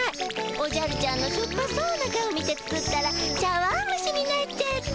おじゃるちゃんのしょっぱそうな顔見て作ったら茶わんむしになっちゃった。